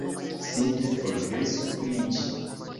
Simple forgesu pri ĝi!